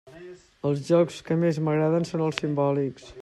Els jocs que més m'agraden són els simbòlics.